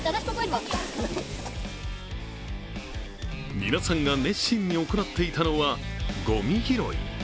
皆さんが熱心に行っていたのはごみ拾い。